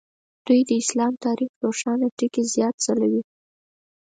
دوی د اسلام تاریخ روښانه ټکي زیات ځلوي.